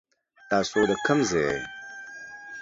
تاسو دا کوم ځای يي ؟